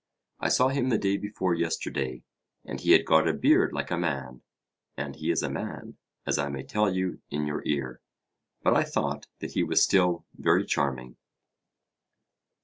I saw him the day before yesterday; and he had got a beard like a man, and he is a man, as I may tell you in your ear. But I thought that he was still very charming.